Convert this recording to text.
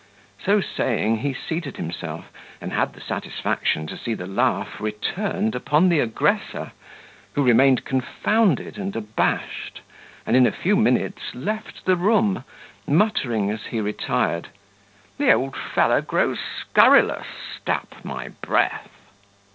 So saying, he seated himself, and had the satisfaction to see the laugh returned upon the aggressor, who remained confounded and abashed, and in a few minutes left the room, muttering, as he retired, "The old fellow grows scurrilous, stap my breath!"